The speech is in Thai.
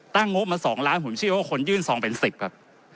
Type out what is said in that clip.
ตั้งงบมา๒ล้านผมชื่อว่าคนยื่น๒เป็น๑๐ครับ